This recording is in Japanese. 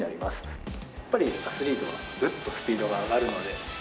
やっぱりアスリートはグッとスピードが上がるので。